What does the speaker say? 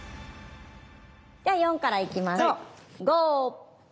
では４からいきましょう。